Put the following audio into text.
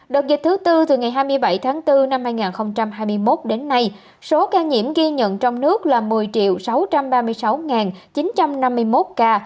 đợt dịch thứ tư từ ngày hai mươi bảy tháng bốn năm hai nghìn hai mươi một đến nay số ca nhiễm ghi nhận trong nước là một mươi sáu trăm ba mươi sáu chín trăm năm mươi một ca